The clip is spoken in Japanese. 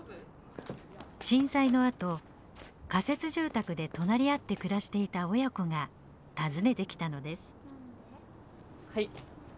震災のあと仮設住宅で隣り合って暮らしていた親子が訪ねてきたのです。